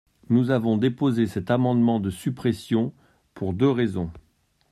Nous avons déposé cet amendement de suppression pour deux raisons.